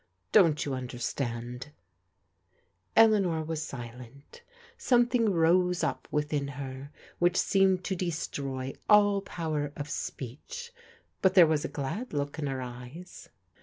Don't you understand ?" Eleanor was silent. Something rose up within her which seemed to destroy all power of speech; but there was a glad look in her eyes.